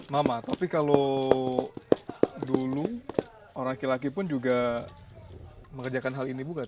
mama tapi kalau dulu orang laki laki pun juga mengerjakan hal ini bukan